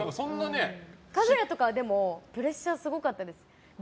神楽とかはプレッシャーがすごかったです。